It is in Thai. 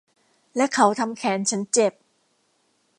และเขาทำแขนฉันเจ็บ